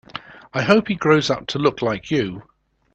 I hope he grows up to look like you.